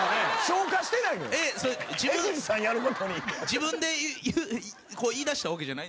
自分で言いだしたわけじゃないんすか？